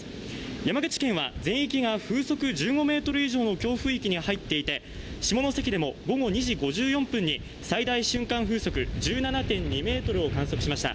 山口県は全域が風速１５メートル以上の強風域に入っていて下野先でも午後２時５４分に最大瞬間風速１７．２メートルを観測しました。